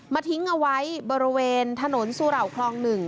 ทิ้งเอาไว้บริเวณถนนสุเหล่าคลอง๑